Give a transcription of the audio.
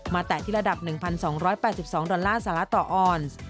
แตะที่ระดับ๑๒๘๒ดอลลาร์สาระต่อออนซ์